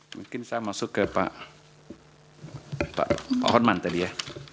mungkin saya masuk ke pak horman tadi ya